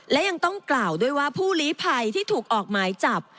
และยังต้องกล่าวด้วยว่าผู้ลีภัยที่ถูกออกหมายจับ